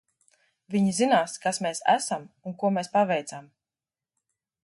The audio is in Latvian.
Viņi zinās, kas mēs esam un ko mēs paveicām.